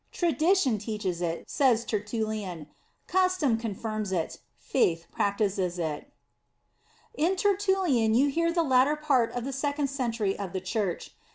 Tradition teaches it," says Tertullian, " cus tom confirms it, faith practices it."* In Tertullian you hear the latter part of the second century of the Church.